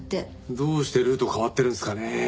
どうしてルート変わってるんですかね？